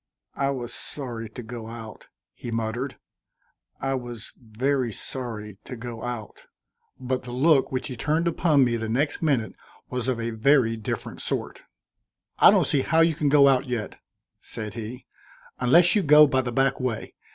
"I was sorry to go out," he muttered. "I was very sorry to go out," but the look which he turned upon me the next minute was of a very different sort. "I don't see how you can go out yet," said he, "unless you go by the back way.